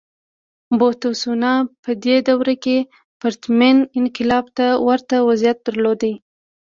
بوتسوانا په دې دوره کې پرتمین انقلاب ته ورته وضعیت درلود.